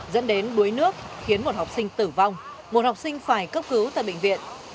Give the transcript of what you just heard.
dẫn đến đuối nước khiến một học sinh tử vong một học sinh phải cấp cứu tại bệnh viện